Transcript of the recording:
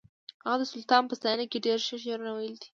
هغه د سلطان په ستاینه کې ډېر ښه شعرونه ویلي دي